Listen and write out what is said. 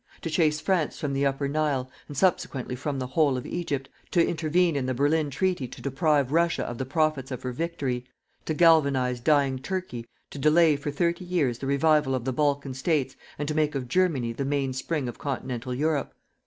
to chase France from the Upper Nile, and subsequently from the whole of Egypt, to intervene in the Berlin treaty to deprive Russia of the profits of her victory, to galvanize dying Turkey, to delay for thirty years the revival of the Balkan States and to make of Germany the main spring of continental Europe?